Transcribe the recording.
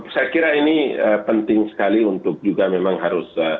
saya kira ini penting sekali untuk juga memang harus